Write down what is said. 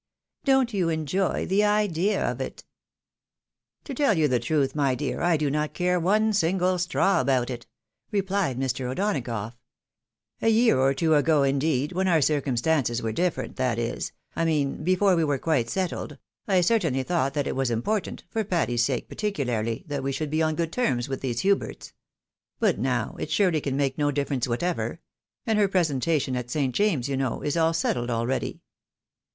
Don't you enjoy the idea of it?" " To tell you the truth, my dear, I do not care one single straw about it," replied Mr. O'Donagough. " A year or two ago, indeed, when our circumstances were different, that is, I mean, before we were quite settled, I certainly thought that it was important, for Patty's sake particularly, that we should be on good terms with these liuberts, — ^but now, it surely can make no difference whatever — and her presentation at St. James's, you know, is all settled abeady."